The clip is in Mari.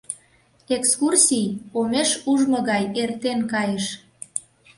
Экскурсий омеш ужмо гай эртен кайыш.